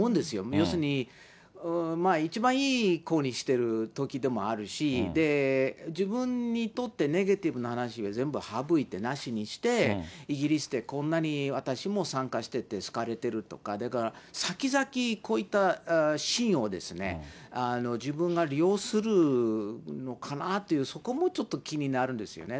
要するに、一番いい子にしてるときでもあるし、自分にとってネガティブな話は全部省いて、なしにして、イギリスで、こんなに私も参加してて好かれてるとか、それからさきざき、こういったシーンを自分が利用するのかなっていう、そこもちょっと気になるんですよね。